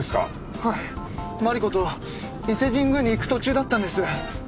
はい真梨子と伊勢神宮に行く途中だったんです。